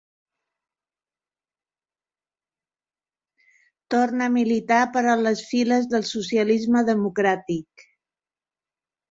Torna a militar però en les files del socialisme democràtic.